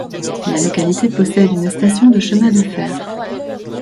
La localité possède une station de chemin de fer.